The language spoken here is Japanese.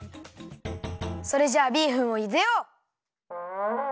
それじゃあビーフンをゆでよう！